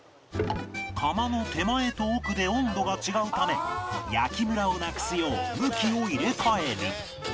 窯の手前と奥で温度が違うため焼きムラをなくすよう向きを入れ替える